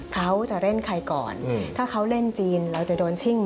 เขาจะเล่นเราไหม